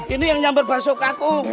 ini yang nyamper mbak soka aku